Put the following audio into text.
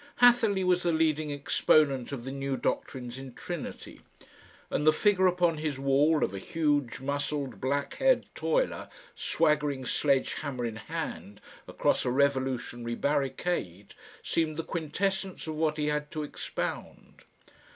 Hatherleigh was the leading exponent of the new doctrines in Trinity, and the figure upon his wall of a huge muscled, black haired toiler swaggering sledgehammer in hand across a revolutionary barricade, seemed the quintessence of what he had to expound.